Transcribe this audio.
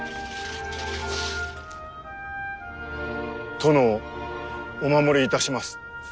殿をお守りいたします。